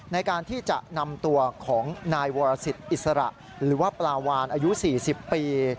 ในการที่จะนำตัวของนายวรสิทธิอิสระหรือว่าปลาวานอายุ๔๐ปี